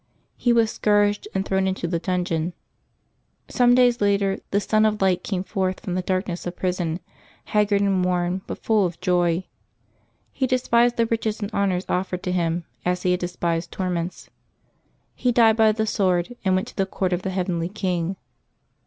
^' He was scourged and thrown into a dungeon. Some days later this son of light came forth from the darkness of his prison, haggard and worn, but full of joy. He despised the riches and honors offered to him as he had despised torments. He died by the sword, and went to the court of the heavenly King.